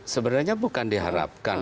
sebenarnya bukan diharapkan